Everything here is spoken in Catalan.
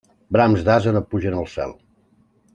Brams d'ase no pugen al cel.